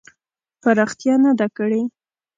پراختیا نه ده کړې.